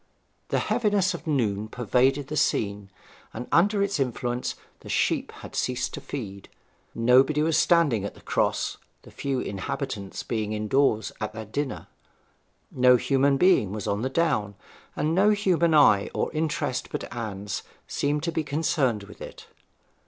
The heaviness of noon pervaded the scene, and under its influence the sheep had ceased to feed. Nobody was standing at the Cross, the few inhabitants being indoors at their dinner. No human being was on the down, and no human eye or interest but Anne's seemed to be concerned with it.